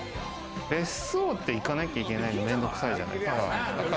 別荘って、いかないといけないの面倒くさいじゃないですか。